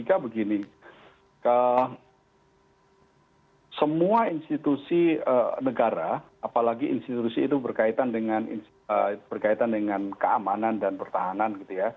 jika begini semua institusi negara apalagi institusi itu berkaitan dengan keamanan dan pertahanan